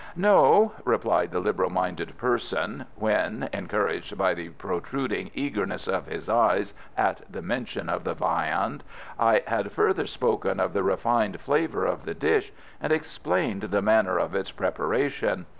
"No," replied the liberal minded person, when encouraged by the protruding eagerness of his eyes at the mention of the viand I had further spoken of the refined flavour of the dish, and explained the manner of its preparation.